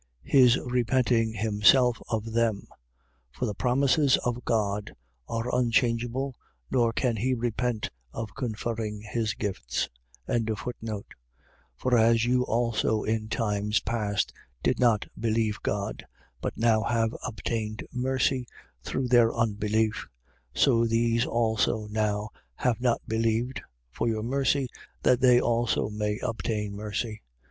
. .his repenting himself of them; for the promises of God are unchangeable, nor can he repent of conferring his gifts. 11:30. For as you also in times past did not believe God, but now have obtained mercy, through their unbelief: 11:31. So these also now have not believed, for your mercy, that they also may obtain mercy.